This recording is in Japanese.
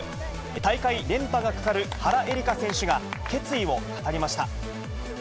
大会連覇がかかる原英莉花選手が、決意を語りました。